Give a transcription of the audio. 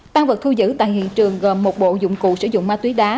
tăng vật thu giữ tại hiện trường gồm một bộ dụng cụ sử dụng ma túy đá